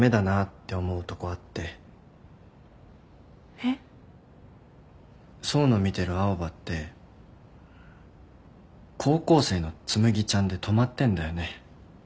えっ？想の見てる青羽って高校生の紬ちゃんで止まってんだよね。